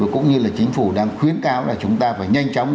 cũng như là chính phủ đang khuyến cáo là chúng ta phải nhanh chóng